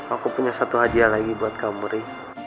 aku punya satu hadiah lagi buat kamu ri